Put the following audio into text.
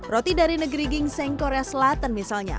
roti dari negeri gingseng korea selatan misalnya